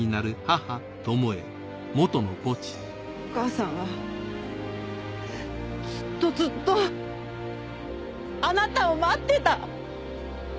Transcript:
お母さんはずっとずっとあなたを待ってた！